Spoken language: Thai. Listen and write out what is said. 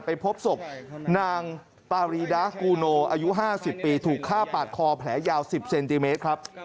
พบศพนางปารีดากูโนอายุ๕๐ปีถูกฆ่าปาดคอแผลยาว๑๐เซนติเมตรครับ